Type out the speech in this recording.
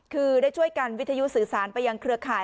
คือได้ช่วยกันวิทยุสื่อสารไปยังเครือข่าย